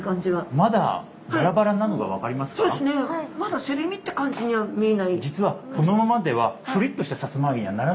まだすり身って感じには見えない。